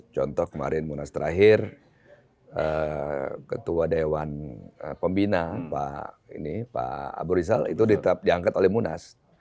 contoh kemarin munas terakhir ketua dewan pembina pak abu rizal itu diangkat oleh munas